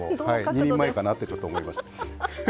２人前かなってちょっと思いました。